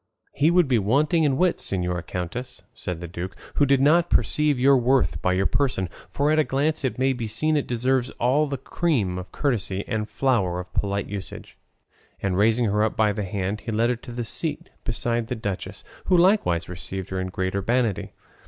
"He would be wanting in wits, señora countess," said the duke, "who did not perceive your worth by your person, for at a glance it may be seen it deserves all the cream of courtesy and flower of polite usage;" and raising her up by the hand he led her to a seat beside the duchess, who likewise received her with great urbanity.